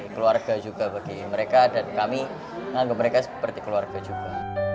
keluarga juga bagi mereka dan kami menganggap mereka seperti keluarga juga